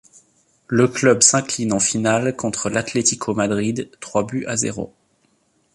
Le club s'incline en finale contre l'Atlético Madrid trois buts à zéro.